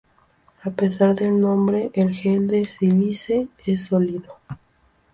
A pesar del nombre, el gel de sílice es sólido.